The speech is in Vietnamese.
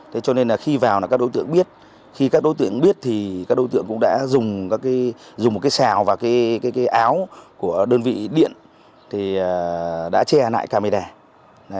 thế cho nên là khi vào là các đối tượng biết khi các đối tượng biết thì các đối tượng cũng đã dùng một cái xào và cái áo của đơn vị điện thì đã che lại camera